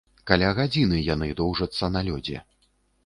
Каля гадзіны яны доўжацца на лёдзе.